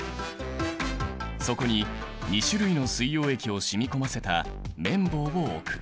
そこに２種類の水溶液を染み込ませた綿棒を置く。